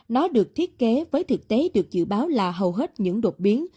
nó được thiết kế với thực tế được dự báo là hầu hết những đột biến